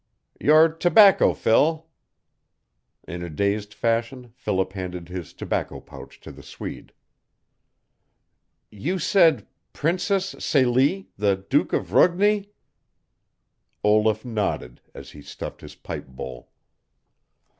"Your tobaeco, Phil!" In a dazed fashion Philip handed his tobacco pouch to the Swede. "You said Princess Celie the Duke of Rugni " Olaf nodded as he stuffed his pipe bowl.